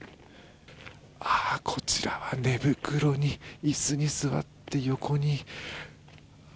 こちらは寝袋に椅子に座って、横に。